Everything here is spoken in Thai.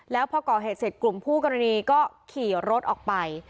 แล้วพอก่อเหตุเสร็จกลุ่มคู่กรณีก็ขี่รถออกไป